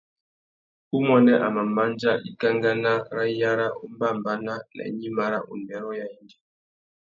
Umuênê a mà mándjá ikankana râ iyara umbámbànà nà gnïmá râ undêrô râ yêndzê.